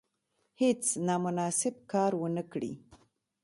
هیڅ نامناسب کار ونه کړي.